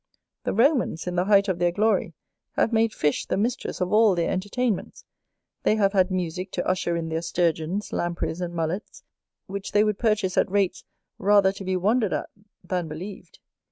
The Romans, in the height of their glory, have made fish the mistress of all their entertainments; they have had musick to usher in their Sturgeons, Lampreys, and Mullets, which they would purchase at rates rather to be wondered at than believed.